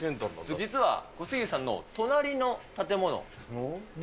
実は小杉湯さんの隣の建物。